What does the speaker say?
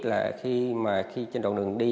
là khi mà trên đường đường đi